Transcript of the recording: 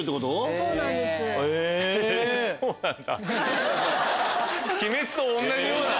そうなんだ。